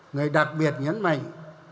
người đặc biệt nhấn mạnh